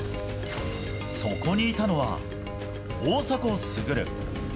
そこにいたのは大迫傑。